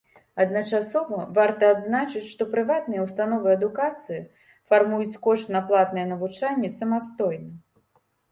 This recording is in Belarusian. Адначасова варта адзначыць, што прыватныя ўстановы адукацыі фармуюць кошт на платнае навучанне самастойна.